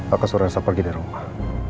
aku suruh elsa pergi dari rumah